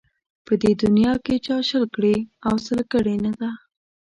په دې دنیا کې چا شل کړي او سل کړي نه ده